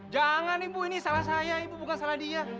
jangan ibu ini salah saya ibu bukan salah dia